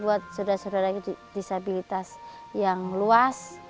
buat saudara saudara disabilitas yang luas